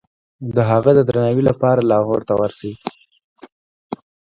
د هغه د درناوي لپاره لاهور ته ورسي.